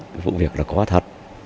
cái vụ việc là có thật